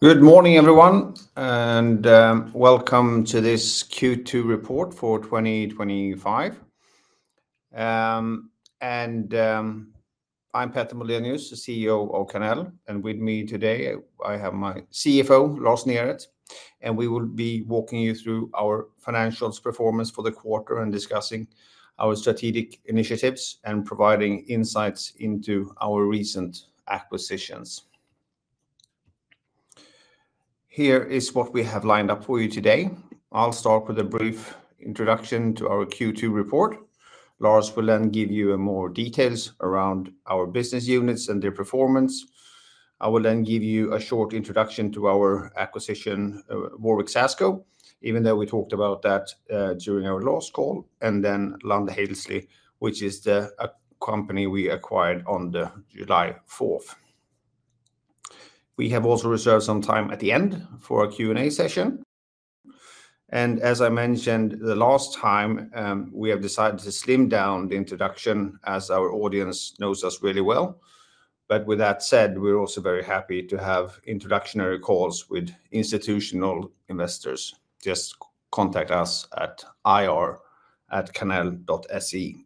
Good morning, everyone, and welcome to this Q2 report for 2025. I'm Petter Moldenius, the CEO of Karnell, and with me today, I have my CFO, Lars Neret, and we will be walking you through our financials performance for the quarter and discussing our strategic initiatives and providing insights into our recent acquisitions. Here is what we have lined up for you today. I'll start with a brief introduction to our Q2 report. Lars will then give you more details around our business units and their performance. I will then give you a short introduction to our acquisition, Warwick SASCo, even though we talked about that during our last call, and then LundHalsey, which is the company we acquired on July 4th. We have also reserved some time at the end for a Q&A session. As I mentioned the last time, we have decided to slim down the introduction as our audience knows us really well. We are also very happy to have introductory calls with institutional investors. Just contact us at ir@karnell.se.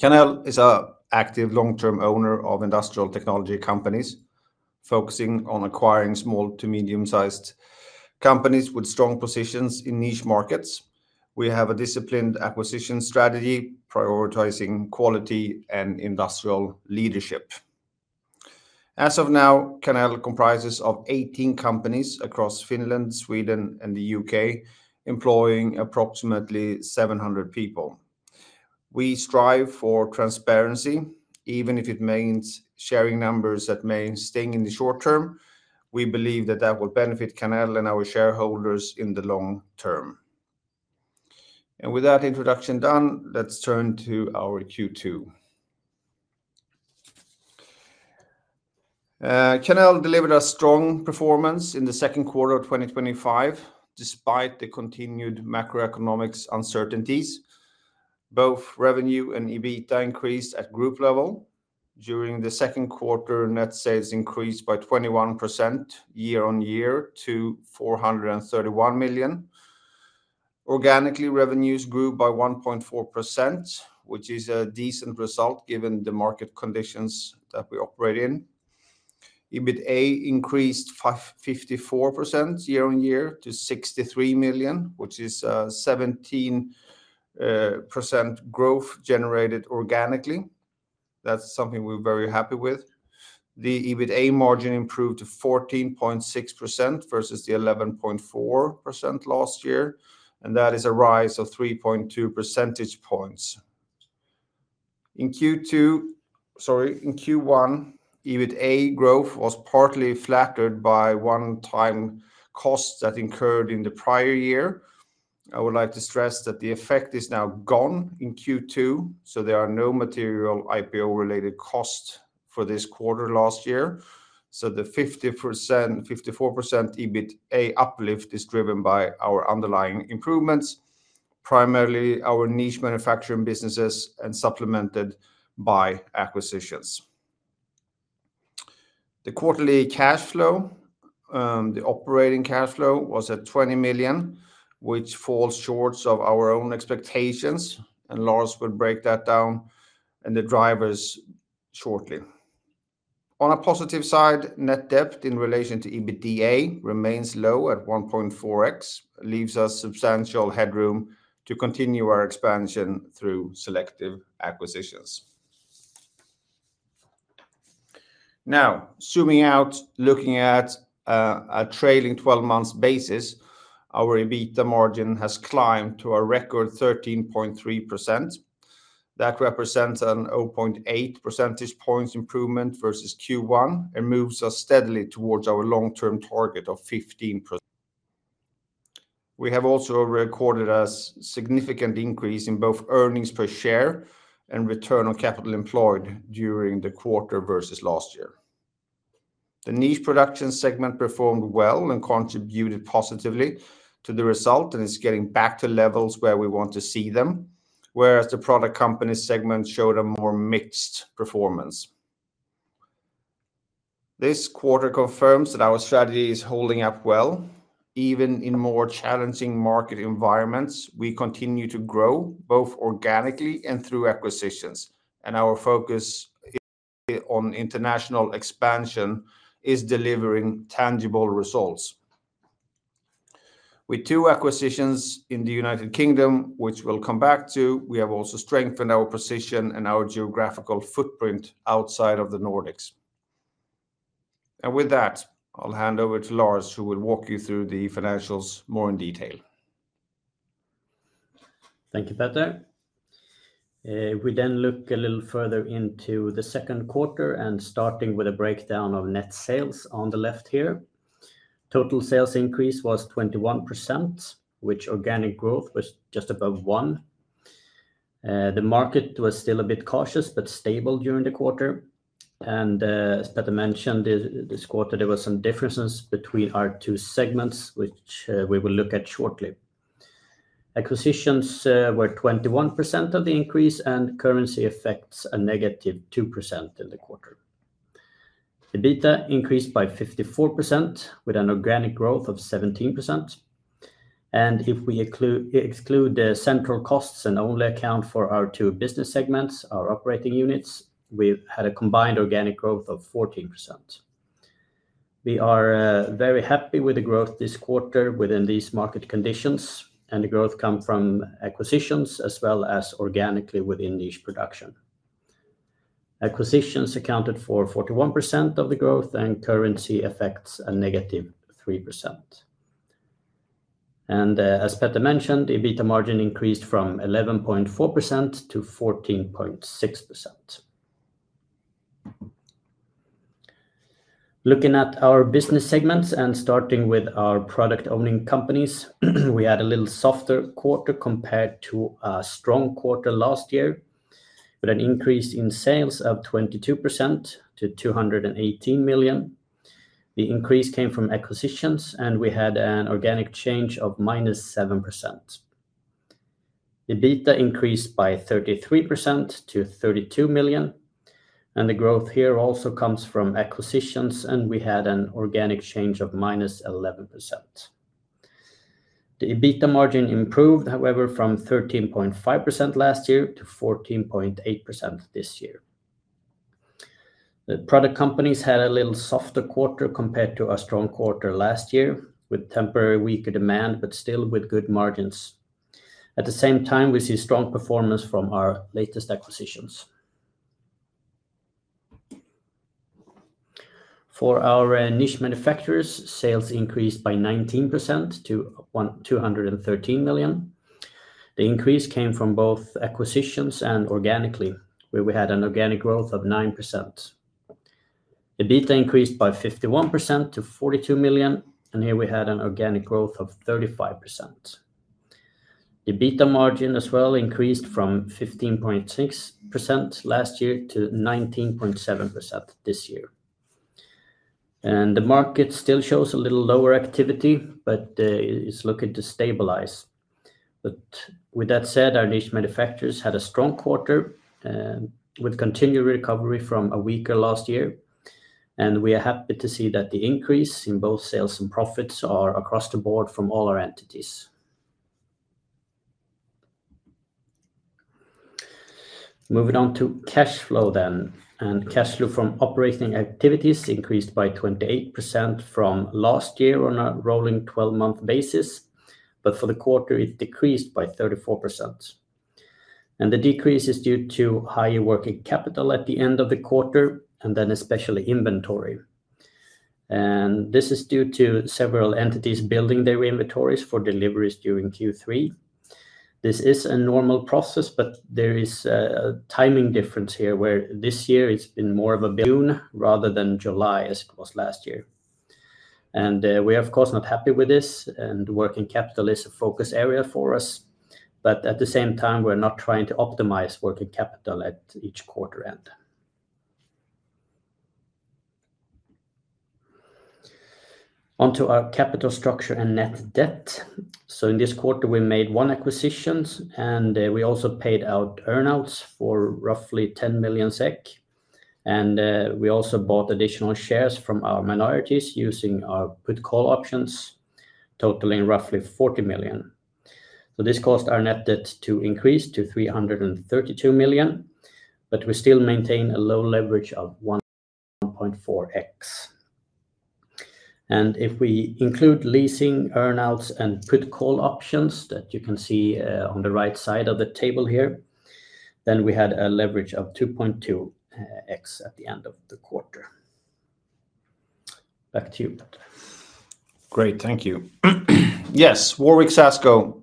Karnell is an active long-term owner of industrial technology companies, focusing on acquiring small to medium-sized companies with strong positions in niche markets. We have a disciplined acquisition strategy, prioritizing quality and industrial leadership. As of now, Karnell comprises 18 companies across Finland, Sweden, and the U.K., employing approximately 700 people. We strive for transparency, even if it means sharing numbers that may sting in the short term. We believe that will benefit Karnell and our shareholders in the long term. With that introduction done, let's turn to our Q2. Karnell delivered a strong performance in the second quarter of 2025, despite the continued macroeconomic uncertainties. Both revenue and EBITDA increased at group level. During the second quarter, net sales increased by 21% year on year to 431 million. Organically, revenues grew by 1.4%, which is a decent result given the market conditions that we operate in. EBITDA increased 54% year on year to 63 million, which is a 17% growth generated organically. That's something we're very happy with. The EBITDA margin improved to 14.6% versus the 11.4% last year, and that is a rise of 3.2 percentage points. In Q2, in Q1, EBITDA growth was partly flattened by one-time costs that incurred in the prior year. I would like to stress that the effect is now gone in Q2, so there are no material IPO-related costs for this quarter last year. The 50%, 54% EBITDA uplift is driven by our underlying improvements, primarily our niche manufacturing businesses and supplemented by acquisitions. The quarterly cash flow, the operating cash flow, was at 20 million, which falls short of our own expectations, and Lars will break that down and the drivers shortly. On a positive side, net debt in relation to EBITDA remains low at 1.4x, which leaves us substantial headroom to continue our expansion through selective acquisitions. Now, zooming out, looking at a trailing 12-month basis, our EBITDA margin has climbed to a record 13.3%. That represents a 0.8 percentage point improvement versus Q1 and moves us steadily towards our long-term target of 15%. We have also recorded a significant increase in both earnings per share and return on capital employed during the quarter versus last year. The niche production segment performed well and contributed positively to the result and is getting back to levels where we want to see them, whereas the product company segment showed a more mixed performance. This quarter confirms that our strategy is holding up well, even in more challenging market environments. We continue to grow both organically and through acquisitions, and our focus on international expansion is delivering tangible results. With two acquisitions in the United Kingdom, which we'll come back to, we have also strengthened our position and our geographical footprint outside of the Nordics. With that, I'll hand over to Lars, who will walk you through the financials more in detail. Thank you, Petter. We then look a little further into the second quarter and starting with a breakdown of net sales on the left here. Total sales increase was 21%, with organic growth just above 1%. The market was still a bit cautious but stable during the quarter. As Petter mentioned, this quarter there were some differences between our two segments, which we will look at shortly. Acquisitions were 21% of the increase and currency effects a -2% in the quarter. EBITDA increased by 54% with an organic growth of 17%. If we exclude the central costs and only account for our two business segments, our operating units, we had a combined organic growth of 14%. We are very happy with the growth this quarter within these market conditions, and the growth comes from acquisitions as well as organically within niche production. Acquisitions accounted for 41% of the growth and currency effects a -3%. As Petter mentioned, EBITDA margin increased from 11.4% to 14.6%. Looking at our business segments and starting with our product owning companies, we had a little softer quarter compared to a strong quarter last year, with an increase in sales of 22% to 218 million. The increase came from acquisitions, and we had an organic change of -7%. EBITDA increased by 33% to 32 million, and the growth here also comes from acquisitions, and we had an organic change of -11%. The EBITDA margin improved, however, from 13.5% last year to 14.8% this year. The product companies had a little softer quarter compared to a strong quarter last year, with temporarily weaker demand but still with good margins. At the same time, we see strong performance from our latest acquisitions. For our niche manufacturers, sales increased by 19% to 213 million. The increase came from both acquisitions and organically, where we had an organic growth of 9%. EBITDA increased by 51% to 42 million, and here we had an organic growth of 35%. EBITDA margin as well increased from 15.6% last year to 19.7% this year. The market still shows a little lower activity, but it is looking to stabilize. With that said, our niche manufacturers had a strong quarter with continued recovery from a weaker last year, and we are happy to see that the increase in both sales and profits are across the board from all our entities. Moving on to cash flow then, cash flow from operating activities increased by 28% from last year on a rolling 12-month basis, but for the quarter, it decreased by 34%. The decrease is due to higher working capital at the end of the quarter, especially inventory. This is due to several entities building their inventories for deliveries during Q3. This is a normal process, but there is a timing difference here where this year it's been more of a June rather than July as it was last year. We are, of course, not happy with this, and working capital is a focus area for us. At the same time, we're not trying to optimize working capital at each quarter end. Onto our capital structure and net debt. In this quarter, we made one acquisition, and we also paid out earnouts for roughly 10 million SEK. We also bought additional shares from our minorities using our put call options, totaling roughly 40 million. This caused our net debt to increase to 332 million, but we still maintain a low leverage of 1.4x. If we include leasing, earnouts, and put call options that you can see on the right side of the table here, then we had a leverage of 2.2x at the end of the quarter. Back to you, Petter. Great, thank you. Yes, Warwick SASCo.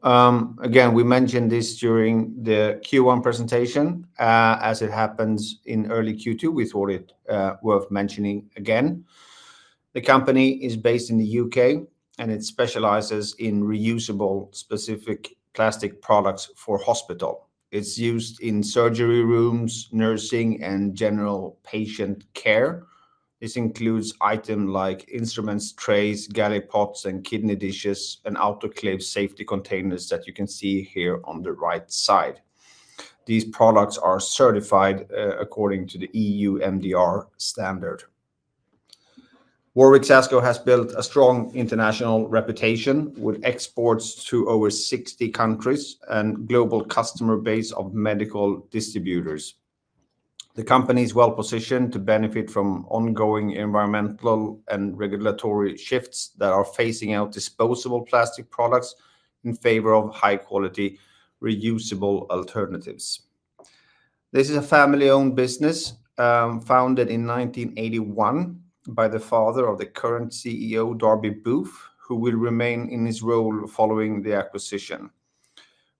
Again, we mentioned this during the Q1 presentation. As it happens in early Q2, we thought it worth mentioning again. The company is based in the U.K., and it specializes in reusable specialist plastic products for hospitals. It's used in surgery rooms, nursing, and general patient care. This includes items like instruments, trays, galley pots, kidney dishes, and autoclave safety containers that you can see here on the right side. These products are certified according to the E.U. MDR standard. Warwick SASCo has built a strong international reputation with exports to over 60 countries and a global customer base of medical distributors. The company is well positioned to benefit from ongoing environmental and regulatory shifts that are phasing out disposable plastic products in favor of high-quality reusable alternatives. This is a family-owned business founded in 1981 by the father of the current CEO, Darby Booth, who will remain in his role following the acquisition.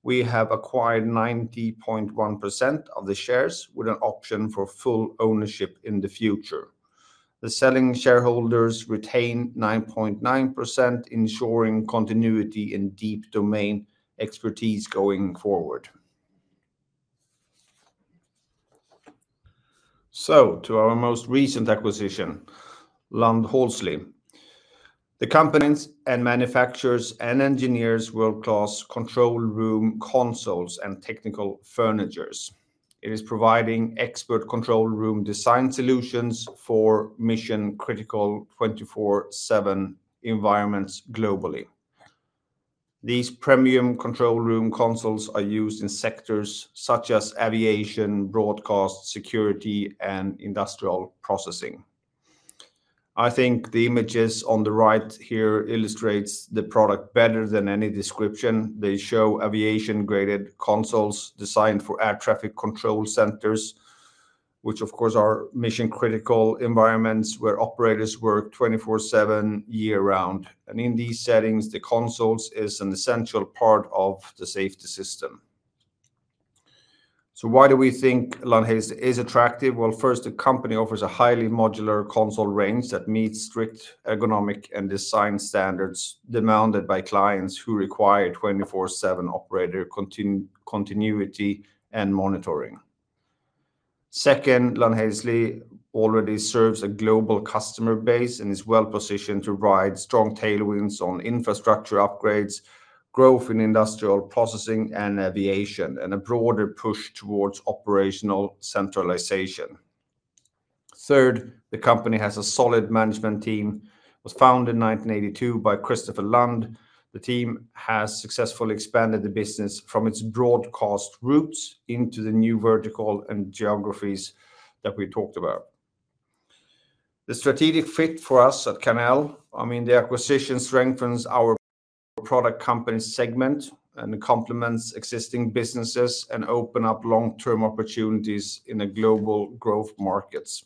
We have acquired 90.1% of the shares with an option for full ownership in the future. The selling shareholders retain 9.9%, ensuring continuity and deep domain expertise going forward. To our most recent acquisition, LundHalsey. The company manufactures and engineers world-class control room consoles and technical furniture. It is providing expert control room design solutions for mission-critical 24/7 environments globally. These premium control room consoles are used in sectors such as aviation, broadcast, security, and industrial processing. I think the images on the right here illustrate the product better than any description. They show aviation-graded consoles designed for air traffic control centers, which, of course, are mission-critical environments where operators work 24/7 year-round. In these settings, the consoles are an essential part of the safety system. Why do we think LundHalsey is attractive? First, the company offers a highly modular console range that meets strict ergonomic and design standards demanded by clients who require 24/7 operator continuity and monitoring. Second, LundHalsey already serves a global customer base and is well positioned to ride strong tailwinds on infrastructure upgrades, growth in industrial processing and aviation, and a broader push towards operational centralization. Third, the company has a solid management team. It was founded in 1982 by Christopher Lund. The team has successfully expanded the business from its broadcast roots into the new vertical and geographies that we talked about. The strategic fit for us at Karnell, I mean, the acquisition strengthens our product company segment and complements existing businesses and opens up long-term opportunities in the global growth markets.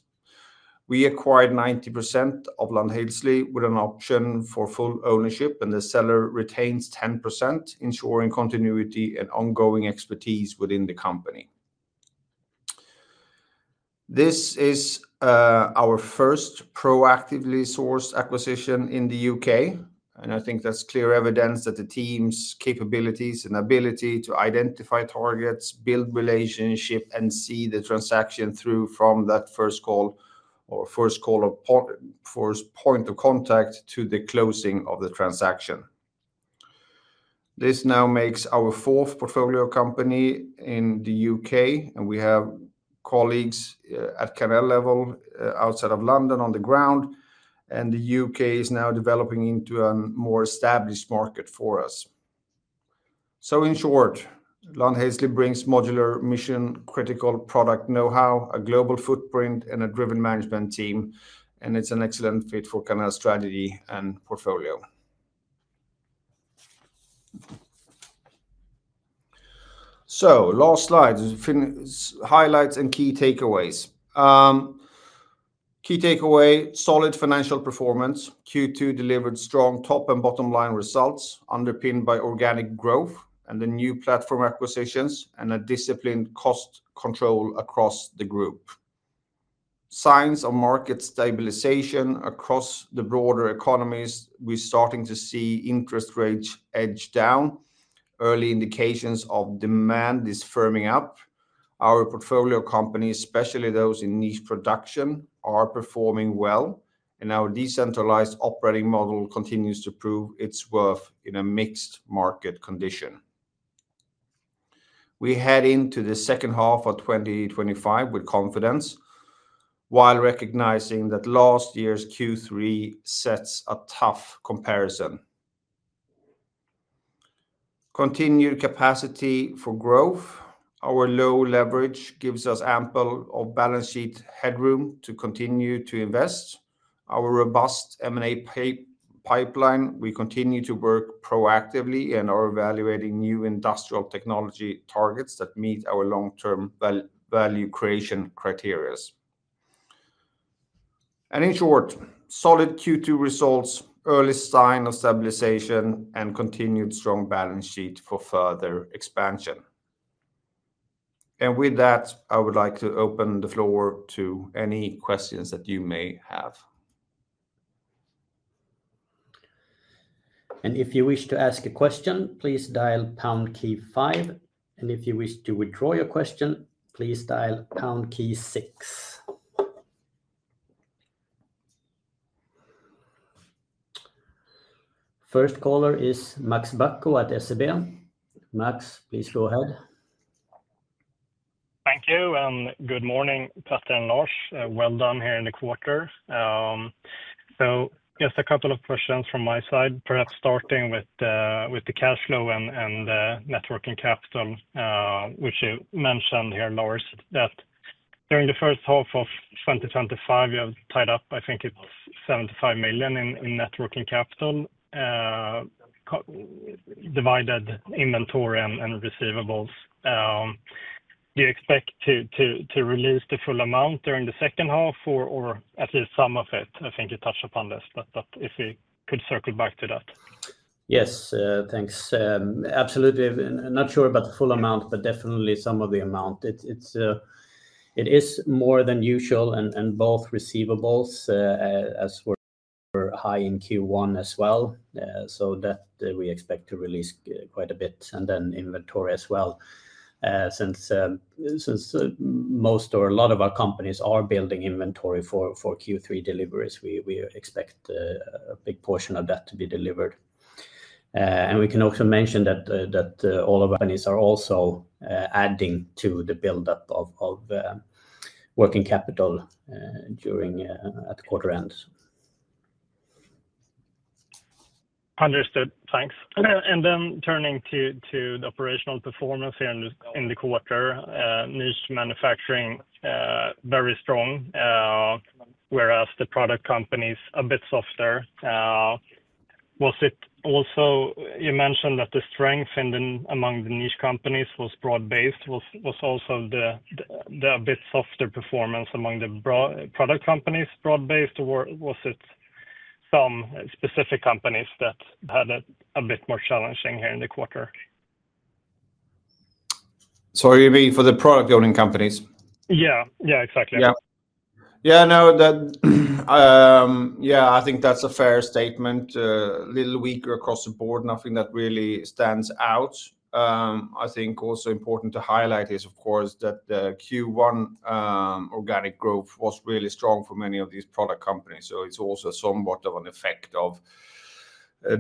We acquired 90% of LundHalsey with an option for full ownership, and the seller retains 10%, ensuring continuity and ongoing expertise within the company. This is our first proactively sourced acquisition in the U.K., and I think that's clear evidence that the team's capabilities and ability to identify targets, build relationships, and see the transaction through from that first call or first point of contact to the closing of the transaction. This now makes our fourth portfolio company in the U.K., and we have colleagues at Karnell level outside of London on the ground, and the U.K. is now developing into a more established market for us. In short, LundHalsey brings modular mission-critical product know-how, a global footprint, and a driven management team, and it's an excellent fit for Karnell's strategy and portfolio. Last slide, highlights and key takeaways. Key takeaway: solid financial performance. Q2 delivered strong top and bottom line results, underpinned by organic growth and the new platform acquisitions and a disciplined cost control across the group. Signs of market stabilization across the broader economies. We're starting to see interest rates edge down, early indications of demand is firming up. Our portfolio companies, especially those in niche production, are performing well, and our decentralized operating model continues to prove its worth in a mixed market condition. We head into the second half of 2025 with confidence, while recognizing that last year's Q3 sets a tough comparison. Continued capacity for growth. Our low leverage gives us ample balance sheet headroom to continue to invest. Our robust M&A pipeline, we continue to work proactively and are evaluating new industrial technology targets that meet our long-term value creation criteria. In short, solid Q2 results, early sign of stabilization, and continued strong balance sheet for further expansion. With that, I would like to open the floor to any questions that you may have. If you wish to ask a question, please dial pound key five. If you wish to withdraw your question, please dial pound key six. First caller is Max Bacco at SEB. Max, please go ahead. Thank you. Good morning, Petter and Lars. Well done here in the quarter. Just a couple of questions from my side, perhaps starting with the cash flow and the working capital, which you mentioned here, Lars, that during the first half of 2025, you have tied up, I think it's 75 million in working capital, divided inventory and receivables. Do you expect to release the full amount during the second half or at least some of it? I think you touched upon this, but if we could circle back to that. Yes, thanks. Absolutely. I'm not sure about the full amount, but definitely some of the amount. It is more than usual, and both receivables were high in Q1 as well. We expect to release quite a bit, and then inventory as well. Since most or a lot of our companies are building inventory for Q3 deliveries, we expect a big portion of that to be delivered. We can also mention that all of our companies are also adding to the buildup of working capital during quarter ends. Understood. Thanks. Turning to the operational performance here in the quarter, niche manufacturing is very strong, whereas the product companies are a bit softer. You mentioned that the strength among the niche companies was broad-based. Was the a bit softer performance among the product companies also broad-based, or was it some specific companies that had it a bit more challenging here in the quarter? Sorry, you mean for the product-building companies? Yeah, yeah, exactly. Yeah, I think that's a fair statement. A little weaker across the board, nothing that really stands out. I think also important to highlight is, of course, that the Q1 organic growth was really strong for many of these product companies. It's also somewhat of an effect of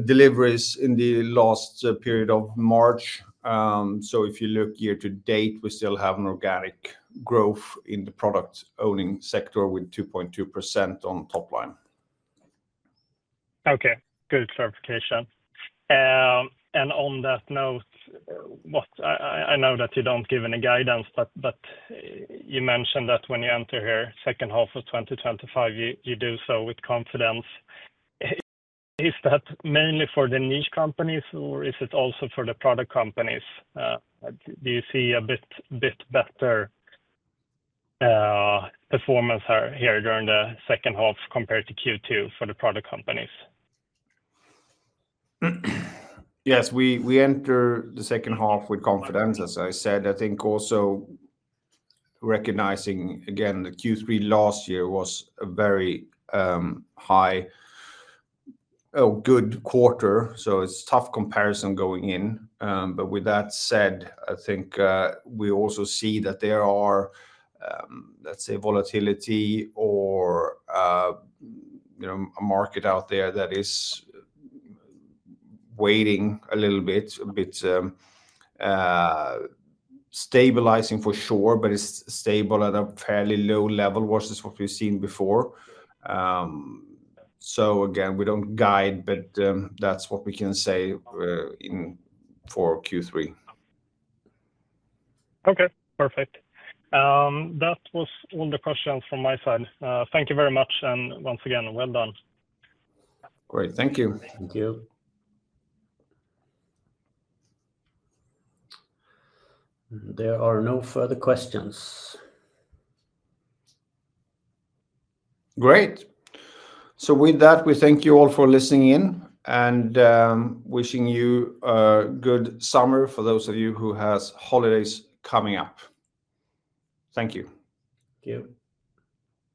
deliveries in the last period of March. If you look year to date, we still have an organic growth in the product owning sector with 2.2% on top line. Okay, good clarification. On that note, I know that you don't give any guidance, but you mentioned that when you enter here, second half of 2025, you do so with confidence. Is that mainly for the niche companies, or is it also for the product companies? Do you see a bit better performance here during the second half compared to Q2 for the product companies? Yes, we enter the second half with confidence, as I said. I think also recognizing, again, the Q3 last year was a very high or good quarter. It's a tough comparison going in. With that said, I think we also see that there are, let's say, volatility or a market out there that is waiting a little bit. It's stabilizing for sure, but it's stable at a fairly low level versus what we've seen before. We don't guide, but that's what we can say for Q3. Okay, perfect. That was all the questions from my side. Thank you very much, and once again, well done. Great, thank you. Thank you. There are no further questions. Great. With that, we thank you all for listening in and wishing you a good summer for those of you who have holidays coming up. Thank you. Thank you.